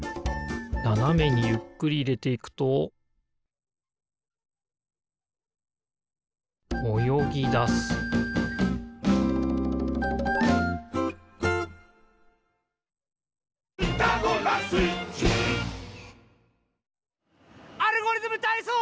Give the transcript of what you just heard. ななめにゆっくりいれていくとおよぎだす「アルゴリズムたいそう」！